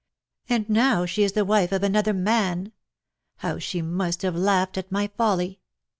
And now she is the wife of another man! How she must have laughed at my folly